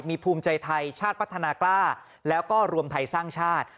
มีภูมิใจไทยชาติพัฒนากล้าแล้วก็รวมไทยสร้างชาติ